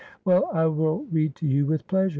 ' Well, I will read to you with pleasure.